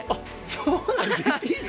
そう。